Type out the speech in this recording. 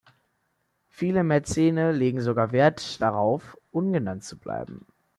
Viele Mäzene legen sogar Wert darauf ungenannt zu bleiben.